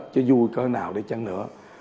chứ vui có nào để chăng nữa